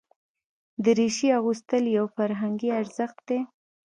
دریشي اغوستل یو فرهنګي ارزښت دی.